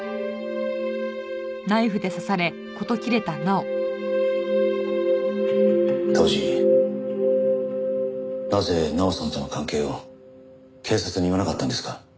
当時なぜ奈緒さんとの関係を警察に言わなかったんですか？